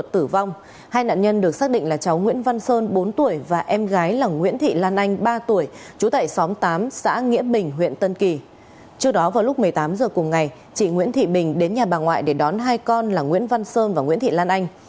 trước đó vào lúc một mươi tám h cùng ngày chị nguyễn thị bình đến nhà bà ngoại để đón hai con là nguyễn văn sơn và nguyễn thị lan anh